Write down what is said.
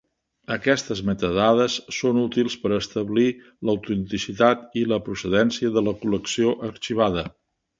Aquestes metadades són útils per establir l'autenticitat i la procedència de la col·lecció arxivada.